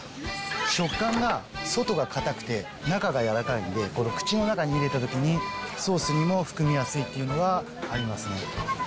食感が外がかたくて、中がやわらかいんで、口の中に入れたときに、ソースにも含みやすいというのがありますね。